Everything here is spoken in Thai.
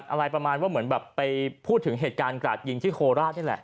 อะไรประมาณว่าเหมือนแบบไปพูดถึงเหตุการณ์กราดยิงที่โคราชนี่แหละ